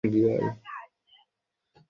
আর না শয়তানের।